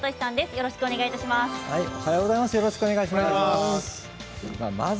よろしくお願いします。